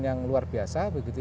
yang luar biasa